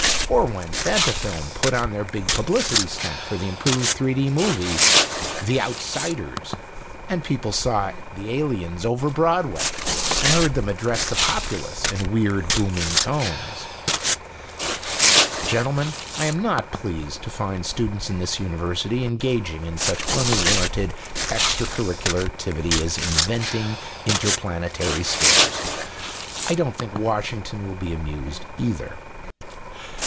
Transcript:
Or when Fantafilm put on their big publicity stunt for the improved 3 D movie, 'The Outsiders', and people saw the aliens over Broadway and heard them address the populace in weird, booming tones. "Gentlemen, I am not pleased to find students of this University engaging in such unwanted extra curricular activity as inventing interplanetary scares. I don't think Washington will be amused, either."